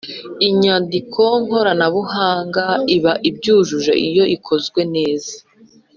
inyandiko koranabuhanga iba ibyujuje iyo ikozwe neza